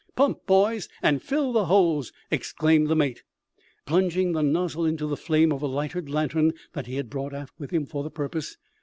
"Pump, boys, and fill the hose," exclaimed the mate, plunging the nozzle into the flame of a lighted lantern that he had brought aft with him for the purpose.